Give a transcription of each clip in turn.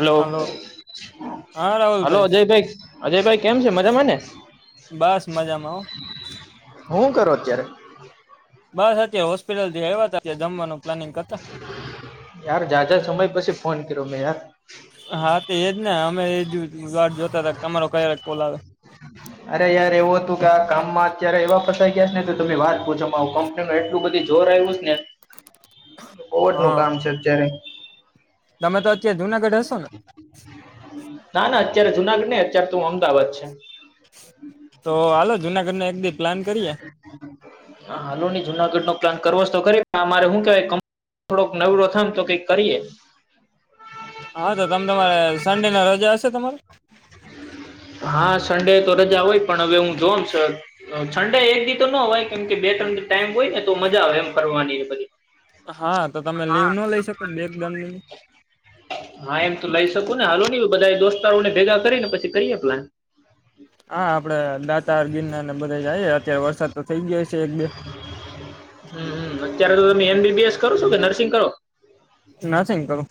Hello, હા hello રાહુલભાઈ અજયભાઈ, અજયભાઈ કેમ છે. મજામાંને? બસ, મજામાં હો. હું કરો અત્યારે? બસ, અત્યાર હોસ્પિટલથી આયવા તા, કે જમવાનું પ્લાનિંગ કરતા. યાર, જાજા સમય પછી ફોન કર્યો મેં યાર. હા તે એજ ને [unintelligible] વાટ જોતા તા, તમારો ક્યારે કોલ આવે. અરે યાર એવું હતું કે, આ કામમાં અત્યારે એવા ફસાઈ ગયા છ ન તે તમે વાત પૂછોમાં અવ કંપનીનુ એટલું બધી જોર આયવું છ ને. બઉ જ નું હા કામ છે અત્યારે. તમે તો અત્યાર જુનાગઢ હશો ને. ના ના અત્યારે જુનાગઢ ને અત્યારે તો અમદાવાદ છે. તો હાલો જુનાગઢ નો એક દી પ્લાન કરીએ હન, હાલો ની જુનાગઢનો પ્લાન કરવોશ તો કરીએ. પણ આ મારે હું કેવાય કંપનીમ થોડોક નવરો થાવન તો કઈક કરીએ. [inaudible] હા, તો તમ તમારે સન્ડેના રજા હશે તમારે? [inaudible] હા સંડે તો રજા હોય પણ હવે હું જોન સંડે એક દી તો નો અવાય કેમ કે એ તમને ટાઈમ હોય ને તો મજા આવે એમ ફરવાની બધી હા તો તમે લીવ હા ન લઈ શકો બે દંડની [inaudible] હા એમ તો લઈશ. થતુને હાલો ને બધા દોસ્તારો ને ભેગા કરી ને પછી કરીએ પ્લાન [inaudible] હા આપડે દાતાર ગિરનાર ને બધા જઈએ અત્યારે વરસાદ તો થઈ ગયો છે એક બે હમ્મ અત્યારે તો તમે એમ બી બી એસ કરો છો કે નર્સિંગ કરો નથીંગ કરું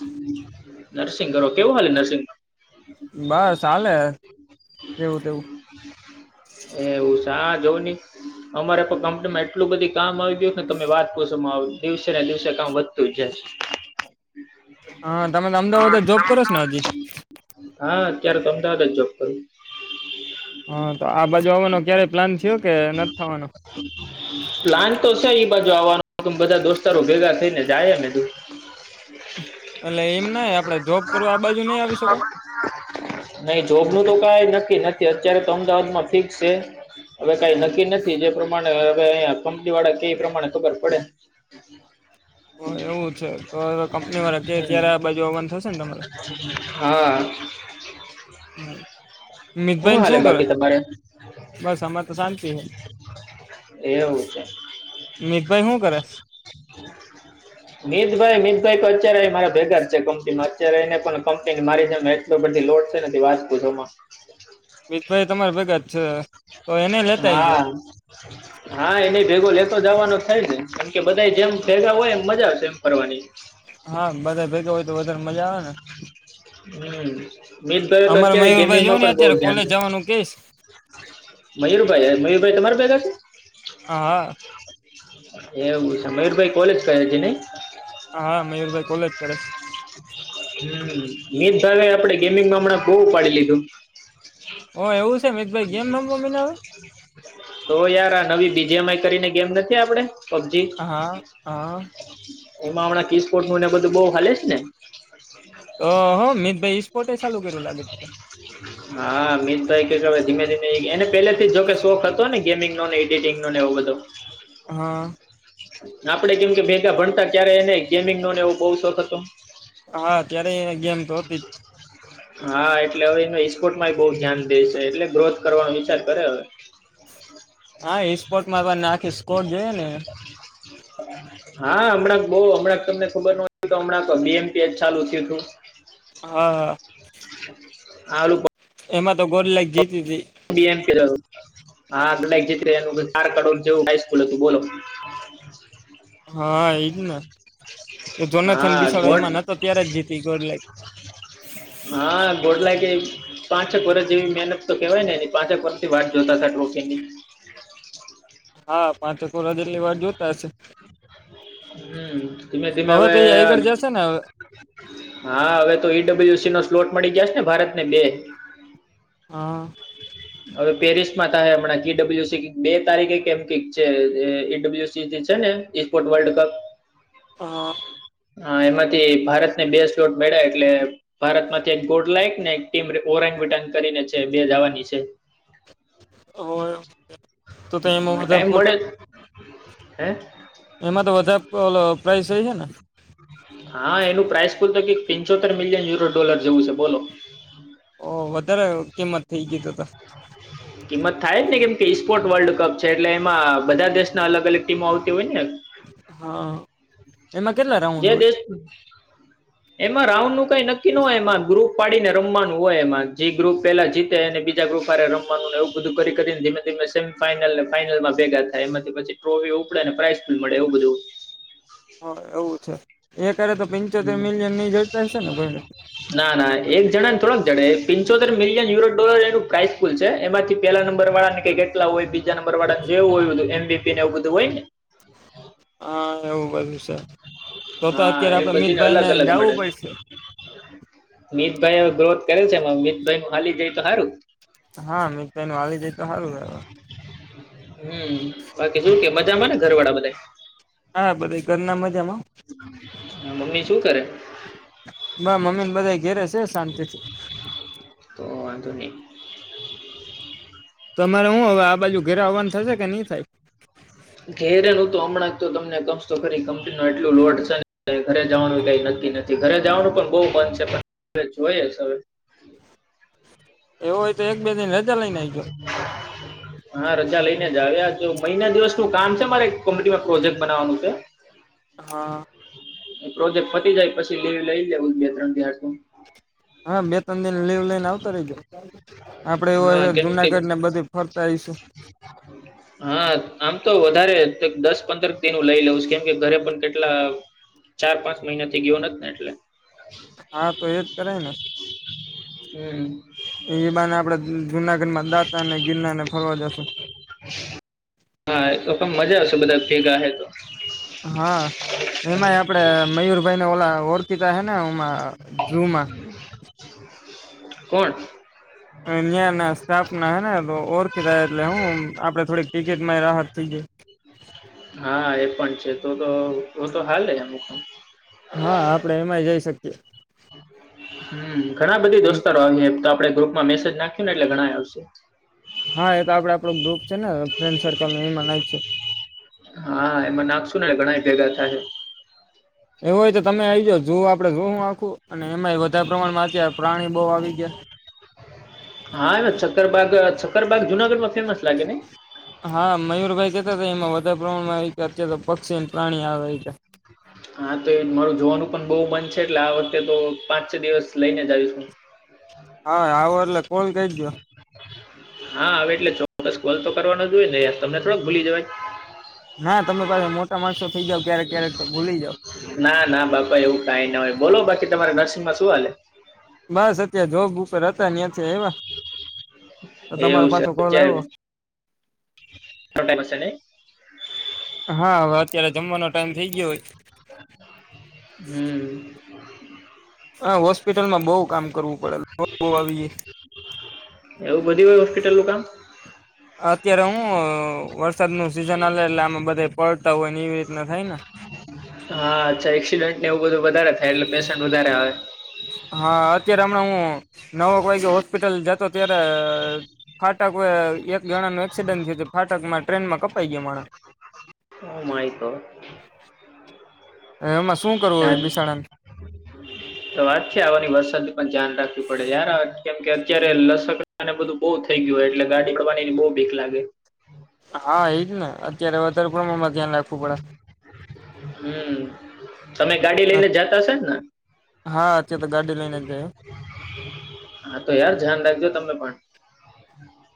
નરસિંગ કરો કેવું હાલે નરસિંગ? બસ ચાલે જેવુ તેવું. એવું હા જોવું ની અમારે પણ કંપનીમાં એટલું બધી કામ આવી ગયું કેને તમે વાત કોશોમાં આવ દિવસે ને દિવસે કામ વધતું જાય છે. હા તમે તો અમદાવાદ જ જોબ કરો છો ને હજી હા અત્યારે તો અમદાવાદ જ જોબ કરું હા તો આ બાજુ આવાનો ક્યારેય પ્લાન થયો કે નથ થવાનો એબાજુ આવવાનું અમે બધા દોસ્તારો ભેગા થઈ ને જાયએ ને એટલે એમ નાય આપડે જોબ કરવા આ બાજુ નઈ આવી શકો? નહી જોબનું તો કઈ નક્કી નથી અત્યારે તો અમદાવાદમાં ફિક્સ છે. હવે કઈ નક્કી નથી જે પ્રમાણે હવે અહીયા કંપની વાળા કેય એ પ્રમાણે ખબર પડે એવું છે તો કંપની વાળા કે હમ ત્યારે આ બાજુ આવવાનું થશે ને તમારે હા [inaudible] હું મિતભાઈને હાલે શું કરે બાકી તમારે બસ આમારે તો શાંતિ એવું છે મિતભાઈ હું કરે? મિતભાઈ મિ કઈક અત્યારે મારા ભેગા જ છે, કંપનીમાં અત્યારે એને પણ કંપનીની મારી જેમે એટલો બધી લોડ છે ને વાત પૂછમાં મિતભાઈ તમારા ભેગા જ છે, તો એને લેતા આઈ ગયો હા હા એને ભેગો લેતો જવાનો થાય ને કારણ કે બધા જેમ ભેગા હોય એમ મજા આવશે એમ ફરવાની હા બધા ભેગા હોય તો વધારે મજા આવેને હમ મિતભાઈ તો અત્યારે મયુરભાઈ જોવ ગેમિંગમાં ને પણ બોવ અત્યારે ધ્યાન કોલેજ જવાનું કેશ મયુરભાઈ, મયુરભાઈ તમારે ભેગા છે. હા હ એવું છે મયુરભાઈ કોલેજ પજી નહી હ હા મયુરભાઈ કોલેજ કરે છે હમ મિત ભાગે આપડે ગેમિંગમાં હમણાં બહુ ઉપાડી લીધું ઓ એવું છે મમિતભાઈ કેમ નામ મમીન તો યાર આ નવી બીજી એમ આઈ કરીને ગેમ નથી આપડે પબજી હા, હા એમાં હમણાં કિસપોટનું ને બધું બહ હાલે છે ને તો હો મિતભાઈ ઈ સ્પોર્ટ ચાલુ કર્યું લાગે છે હા મીત ભાઈ કે કે હવે ધીમે ધીમે એને પહેલેથી જ જોકે શોખ હતો ને ગેમીનો ને એડિટંગ નો ને એવો બધો હા આપડે કેમ કે ભેગા ભણતા ત્યારે એને ગેમિંગનો એવો સોખ હતો હા ત્યારે એ ગેમ તો હતી જ હા એટલે હવે એનો ઇસ્પોર્ટમાં બોવ ધ્યાન દે છે, એટલે ગ્રોથ કરવાનો વિચાર કરે હવે હા ઈસ્પોર્ટમા પણ નાખીશ સ્કોડ જોઈએ ને હા હમણાં બોવ હમણાં તમને ખબર ન હોય તો હમણાં બીએમપીએ ચાલુ થયું તું હા હા હાલુ એમાં તો ગોડ લાઈક જીતી હતી [unintelligible] હાક જીત એનું હાર કાઢ જેવું હાઈસ્કૂલ હતું બોલો [inaudible] એ જોનાથન હા બિસાડો મોટ એમાં નતો ત્યારે જ જીતી ગોર લ પાંઠક વર્ષ જેવી મહેનત તો કેવાય ને એ પાંચેક વર્ન થી વાટ જોતા હતા ટ્રોફીની હા પાંચોકોોડા જેટલી વાર જોતા હશે હમ ધીમે ધીમે હવે તો એ આગળ જશે ને હવે હા હવે તો ઈડબલ્યુ નો સ્લોટ મળી જશે ને ભારતને બે હા [inaudible] હવે પેરિસ માં થાય હમણાં કી ડબલ્યુસી બે તારીખે કેમ કક છે ઈડબલ્યુસી થી છે ને વપ હા હા એમાંથી ભારત બે સ્લોટ મેળ્યા એટલે ભારત માંથી એક ગોડ લાયક ને એક ટીમ ઓરેંગ વિટન કરીને છે બે જવાની નહીં છે અર ટાઈમ બડે હે એમાં તો વધારે ઓ પ્રાઇસ એ છે ને હા એનું પ્રાઇસ બલ તો કે પિંચોતેર મિલિયન યુરો ડોલર જેવું છે બોલો ઓ વધારે કિંમત થઇ ગીધ ત કિંમત થાય જ ને કેમ કે ઇપોર્ટ વર્લ્ડ કપ છે એટલે એમાં બધા દેશના અલગ અલગ ટીમો આવતી હોય ને હા એમાં કેટલા રાઉન્ડ હોય હમ એમાં રાઉન્ડ નું કઈ નક્કી ન હોય એમાં ગ્રુપ પાડીને રમવાનું હોય એમાં જે ગ્રુપ પેલા જીતે એ અને બીજા રૂફરે રમવાનું એવું બધું કરીને ધીમે ધીમે સેમફાાઈનલ અને ફાઈનલમાં ભેગા થાય એમાંથી પછી ટ્રોફી ઉપ ને પ્રાાઈસ પણ મળે એવું બધું અચ્છા એક કોઈને ના ના એક જણા ને થોડાક જણે પંચોતેર મિલિયનયુરોોર એનું પ્રાઇસકુલ છે એમાંથી પેલા નંબર વાળાને કઈ કેટલા હોય બીજા નંબર વાળા એવું હોયુંચુ એમબીપીને એવું બધું હોય ને હા એવું બધું છે તો તો હા અત્યારે એ આપડે મ બધીને અલગ અલગ મળે મિતભાઈ ગ્રોથ કરેલ છે મિતભાઈું હાલી જાય તો સારું હા મિતભાઈ નું આવી જાય તો સારું હ હમ બાકી શું કે મા જ ને ઘરવાળા બધા હા બધ ઘર ના મજામાં મમ્મી શું કરે મમ્મી ને બધા ઘેરે છે શાંતિથી તોની તમારે હું હવે આ બાજુ ઘેરે આવવાનું થશે કે નહી થાય હ ઘેરે ન તો હમણાં તો તમને ક ખરી કંપની ન એટલું લોડ છે ઘરે જવાનું કઈ નક્કી નથી ઘરે જવાનું પણ બહુ બંધ છે પણ હ જોઈએ હવે એવું હોય તો એક બે દિન રજા લઈને આઈજો હા રજા લઈને જ આવેજ મહિના દિવસ નું કામ છે મારે કંપનીમાં એક પ્રોજેક્ટ બનાવાનું છે હા પ્રોજેક્ટ ફતી જાય પછી દેવી લઈ લેવું બે ત્રણ દિહ હા બે ત્રણ દિ લીવ લઈને આવ આપડે એવું હા કેમ કે જુનાગઢ ને બધી ફરતા આવીઈશું હા આમ તો વધારે દસ પંદર દિનું લઈ લઉં કેમ કે ઘરે પણ કેટલા ચાર પાંચ મહિના થી ગયો નથી ને એટલે હા તો એજ કરાય ને હમ એ બાને આપણેે જુનાગઢમાં દાતા અને ગિરનાર ને ફરવા જશું હા તો ક મજા આવશે બધા ીકા તો હા એમાંય આપડે મયુરભાઈને ઓલા ઓરતીતાે ના હમાં જુમાં કોણ અહિયાં ના સ્થાપના હેને તો ઓર કધ એટલે હું આપડે થોડીક ટિકિટમાં રાહત થઈ ગઈ હા એ પણ છે તો તો તો હાલ હ અમુક હા આપડે એમાંય જઈ શકીએ હમ ઘણા બધી દોસ્તો આવી તો આપડણે ગ્રુપમાં મેસેજ નાખ્યું ને એટલે ઘણા આવશે હા એ આપડે આપડો ગ્રુપ છે ને ફ્રેન્ડ સર્કલ એ મનાય છે હા એમાં નાખશુ ને ઘણા ભેગા ત છે એવું હોય તો તમે આજ જોવ આપડે જો હું આખું અને એમાં વધારે પ્રમાણમાં અત્યારે પ્રાણી ગો આવી આવી ગયા હા એ છતરબાગ છક્કરબાગ જુનાગઢ માં ફેમસ લાગે ને પ્રણમાં તો પક્ષીને પ્રાણી આવે હા તો એ મારું જોવાનું પણ બહુ મન છે એટલે આ વખતે તો પાંચ છ દિવસ લઈને જ આવીશું હ હા આવો એટલે કોણ કઈજો હા હવે એટલે ચોક્કસ કોલ તો કરવાનો જો હોય ને તમને થોડોક ભૂલી જવાય ના તમે પાસે મોટા માણસો થઇ જાવ ક્યારેક ક્યારેક તો ભૂલી જાવ ના ના બાપા એવું કઈ ના હોય બોલો બાકી તમારે નરસિંગ માં શું હાલે બસ અત્યારે જોબ ઉપર હતા એ તો તમારો પાછો કોલ આવો છ ટશેને હા હવે અત્યારે જમવાનો ટાઈમ થઈ ગયો હોય હ હા હોસ્પિટલમાં બહ કામ કરવું પડે આવી ગ એવું બધું હોય હોસ્પિટલ નું કામ અત્યારે હું વરસાદ નું સિઝન આવે એટલે આમાં બધા પલતા હોય ને એવી રીતના થાય ને હા અચ્છા એક્સિડેન્ટ ને એવું બધું વધારે થાય એટલે પેશન્ટ વધારે આવે હા અત્યારે હમણાં હું નવો કોઈ હોસ્પિટલ જતો ત્યારે ફાટક એક જણાનું એક્સિડન્ટ થયું ફાટકમાં ટ્રેનમાં કપાઈ ગયા માણા. Oh my god. એમાં શું આ કરવું બિસાણાને તો વાત છે આવાની વરસાદ ની પણ ધ્યાન રાખવી પડે યાર કેમ કે અત્યારે લસકને બધું બહુ થઈ ગયું હો એટલે ગાડી હાકલવાની બહુ ભીખ લાગે. હા એજ ને અત્યારે વધારે પ્રમાણમાં ધ્યાન રાખવું પડે હમ તમે ગાડી લઈને જતાશેને હા અત્યારે તો ગાડી લઈને જ જાય હા તો યાર ધ્યાન રાખજો તમે પણ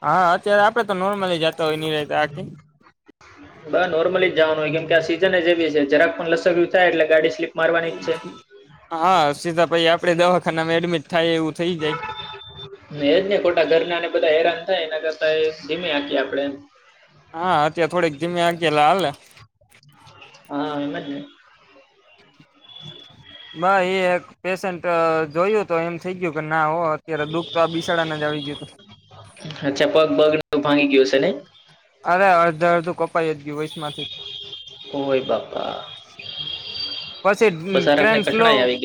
હા અત્યારે આપડે તો નોર્મલી જતા હોયની ર આખી બ નોર્મલી જવાનું હોય કેમ કે આ સિઝન જ એવી છે જરાક પણ લસક થાય એટલે ગાડી સ્લીપ મારવાની જ છે હા સીતાભાઈ આપડે દવાખાનામાં એડમિટ થાય એવું થઇ જાય એજ ને ખોટા ઘરનાને બધા હેરાન થાય એ કરતા એ ધીમે આખીએ આપણે હા અત્યા થોડીક ધીમે આ ગયાલાાલ હ હમ બ એ એક પેેશન્ટ જોયું તો એમ થઇ ગયું કે ના હો અત્યારે દુઃખ તો આ બિસાડાને જ આવી જતો વાંગી ગ્યો છેને અરે અડધ અડધું કપાઈ જ ગયું વૈશ માંથી ઓય બાપા પછી બસારક ટ્રેન ને સ્લો કઠણાઈ આવી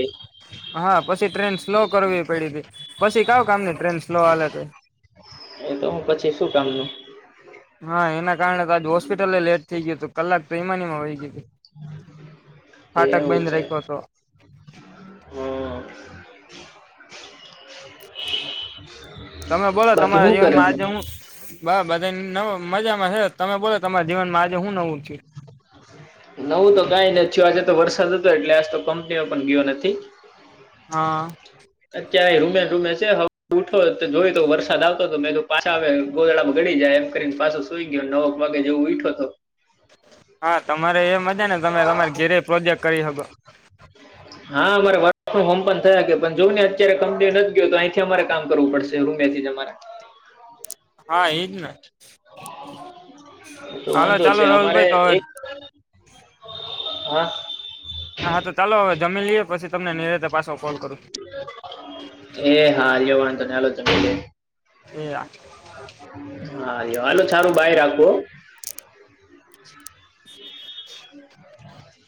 હા પછી ટ્રેન સ્લો લો કરવી પડી હતી પછી કાવ કામ નહી ટ્રેન નો હાલે તો એ તો હું પછી શું કામનું. હા એના કારણે તો આજ હોસ્પિટલ લેટ થઈ ગયું હતું કલાક તો ઈમા વહી ગઈ ફાટક એવું બંધ છે રાખ્યો હતો. હમ તમે બોલો બાકી તમારા શું કરે જીવનમાં આજે હું બધા ન મજામાં હે. તમે બોલો તમાર જીવનમાં આજે હું નવું થયું? નવું તો કાઈ નહી થયું આજે તો વરસાદ હતો એટલે આજ તો કંપનીઓ પણ ગયો નથી. હા. ક્યાંય રૂમે રૂમે છે હ ઉઠો તો જોય તો વરસાદ આવતો તો મે તો પાછા આવે ગોદળામાં ગડી જાય કરીને પાછો સુંઈ ગયો નવક વાગે જેવો ઉટયો હતો. હા તમારે એમ મજા ને તમે તમારી ઘેરે પ્રોજેક્ટ કરી શકો. હા મારે વર્ક ફોર્મ હોમ પણ થયા પણ જો ને અત્યારે કંપની નથી ગયો તો અહીંથી અમારે કામ કરવું પડશે રૂમેથી જ અમારે. હા એજ ને. તો હાલો વાંધો છે ચાલો અમારે રાહુલભાઈ તો હવે એક [unintelligible] હા તો ચાલો હવે જમી લઈએ પછી તમને નિરાતે પાછો કોલ કરું. એ હા લો વાધો નહી એયા હા આલું સારું બાઈ રાખવું હ [inaudible]